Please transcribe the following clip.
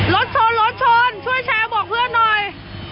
รถชนรถชนช่วยแชร์บอกเพื่อนหน่อย